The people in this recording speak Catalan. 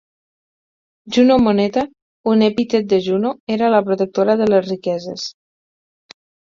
Juno Moneta, un epítet de Juno, era la protectora de les riqueses.